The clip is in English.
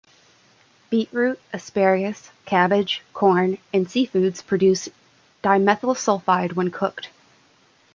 Beetroot, asparagus, cabbage, corn and seafoods produce dimethyl sulfide when cooked.